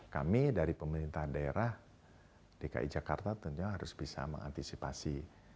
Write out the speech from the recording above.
kami dari pemerintah daerah dki jakarta tentu harus bisa mengantisipasi